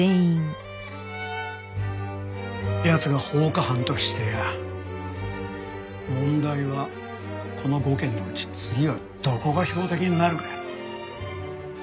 奴が放火犯としてや問題はこの５軒のうち次はどこが標的になるかやな。